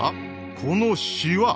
このしわ。